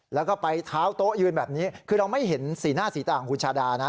แล้วก็ไปเท้าโต๊ะยืนแบบนี้คือเราไม่เห็นสีหน้าสีตาของคุณชาดานะ